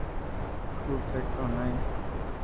Full text online.